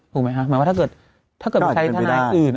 ถูกไหมฮะหมายว่าถ้าเกิดถ้าเกิดเป็นทนายอื่น